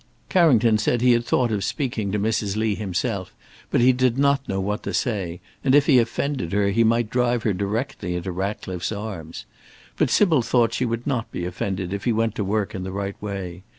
Carrington said he had thought of speaking to Mrs. Lee himself, but he did not know what to say, and if he offended her, he might drive her directly into Ratcliffe's arms. But Sybil thought she would not be offended if he went to work in the right way.